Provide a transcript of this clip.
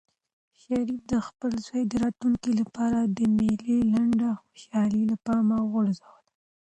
شریف د خپل زوی د راتلونکي لپاره د مېلې لنډه خوشحالي له پامه وغورځوله.